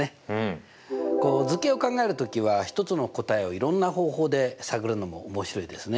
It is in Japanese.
こう図形を考える時は１つの答えをいろんな方法で探るのも面白いですね。